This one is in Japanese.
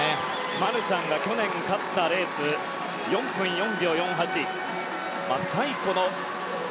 マルシャンが去年勝ったレース４分４秒４８。